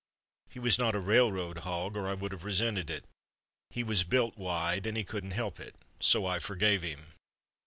He was not a railroad hog or I would have resented it. He was built wide and he couldn't help it, so I forgave him.